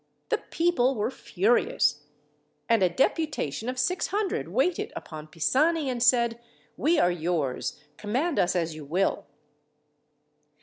The people were furious; and a deputation of 600 waited upon Pisani and said: "We are yours. Command us as you will."